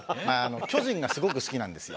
巨人がすごく好きなんですよ。